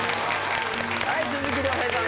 はい鈴木亮平さん